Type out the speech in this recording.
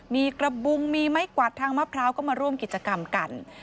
มีกระบุงมีไม้กวาดทางมะพร้าวก็มาร่วมกิจกรรมกัน